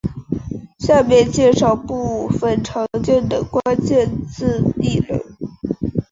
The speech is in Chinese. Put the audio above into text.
下面介绍部分常见的关键字异能。